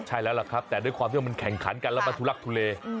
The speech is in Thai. ใช่แล้วล่ะครับแต่ด้วยความที่ว่ามันแข่งขันกันแล้วมันทุลักทุเล